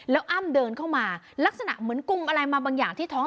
แล้วอ้ำเดินเข้ามาลักษณะเหมือนกุ้งอะไรมาบางอย่างที่ท้อง